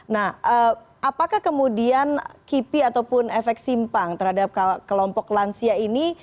nah apakah kemudian kipi ataupun efek simpang terhadap kelompok lansia ini